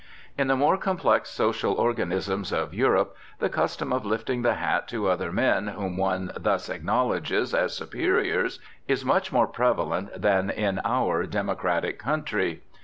In the more complex social organisms of Europe the custom of lifting the hat to other men whom one thus acknowledges as superiors is much more prevalent than in our democratic country.